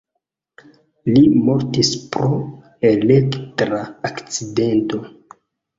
Li mortis pro elektra akcidento.